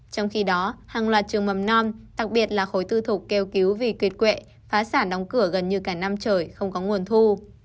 trong khi đó hàng loạt trường mầm non đặc biệt là khối tư thục kêu cứu vì tuyệt quệ phá sản đóng cửa gần như cả năm trời không có nguồn thu